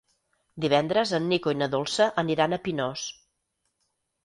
Divendres en Nico i na Dolça aniran a Pinós.